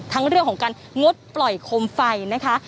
ทั้งเรื่องของการงดปล่อยโคมไฟนะคะ